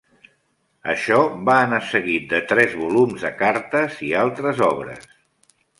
Això va anar seguit de tres volums de cartes i altres obres.